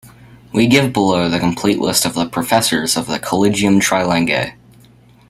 We give below the complete list of the professors of the "Collegium Trilingue".